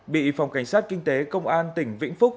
bị phòng cảnh sát kinh tế công an tỉnh vĩnh phúc